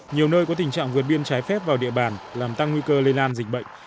nhiều nơi có tình trạng vượt biên trái phép vào địa bàn làm tăng nguy cơ lây lan dịch bệnh